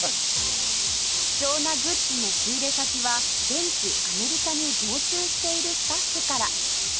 貴重なグッズの仕入れ先は現地アメリカに常駐しているスタッフから